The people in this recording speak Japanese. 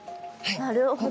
なるほど。